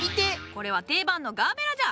これは定番のガーベラじゃ！